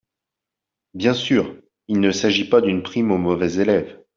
Bien sûr ! Il ne s’agit pas d’une prime aux mauvais élèves.